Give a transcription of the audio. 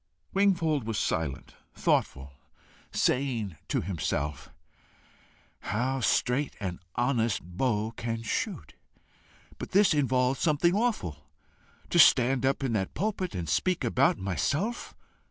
Wingfold was silent, thoughtful, saying to himself "How straight an honest bow can shoot! But this involves something awful. To stand up in that pulpit and speak about myself!